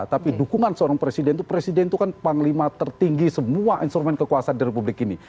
tapi dukungan seorang presiden itu presiden itu kan panglima tertinggi semua instrumen kekuasaan di republik ini